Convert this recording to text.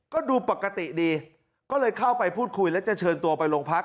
ก็ดูปกติดีก็เลยเข้าไปพูดคุยแล้วจะเชิญตัวไปโรงพัก